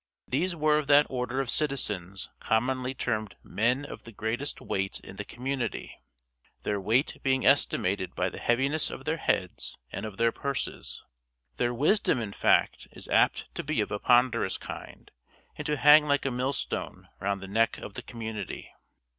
These were of that order of citizens commonly termed "men of the greatest weight in the community;" their weight being estimated by the heaviness of their heads and of their purses. Their wisdom in fact is apt to be of a ponderous kind, and to hang like a millstone round the neck of the community.